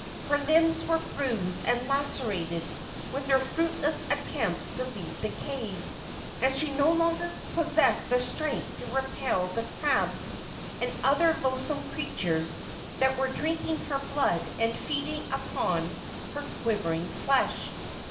Her limbs were bruised and lacerated with her fruitless attempts to leave the cave, and she no longer possessed the strength to repel the crabs and other loathsome creatures that were drinking her blood and feeding upon her quivering flesh.